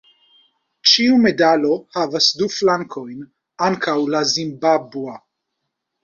Ĉiu medalo havas du flankojn, ankaŭ la zimbabva.